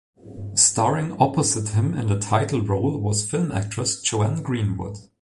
Starring opposite him in the title role was the film actress Joan Greenwood.